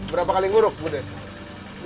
berapa kali nguruk budet